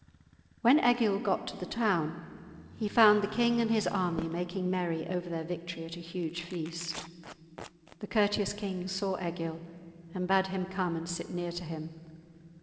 When Egil got to the town he found the king and his army making merry over their victory at a huge feast. The courteous king saw Egil and bade him come and sit near to him.